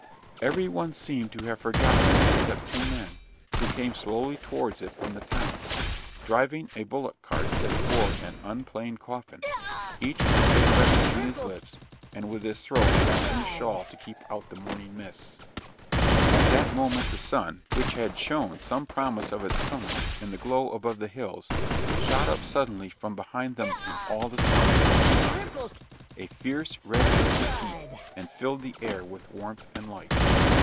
Every one seemed to have forgotten it except two men, who came slowly towards it from the town, driving a bullock cart that bore an unplaned coffin, each with a cigarette between his lips, and with his throat wrapped in a shawl to keep out the morning mists. At that moment the sun, which had shown some promise of its coming in the glow above the hills, shot up suddenly from behind them in all the splendor of the tropics, a fierce, red disk of heat, and filled the air with warmth and light.